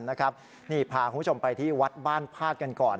นี่พาคุณผู้ชมไปที่วัดบ้านพาดกันก่อน